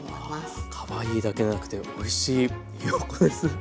はあかわいいだけじゃなくておいしいひよこです。